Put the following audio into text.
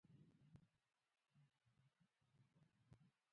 ژمی د افغانستان د طبیعت برخه ده.